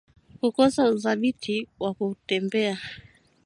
Kukosa uthabiti wa kutembea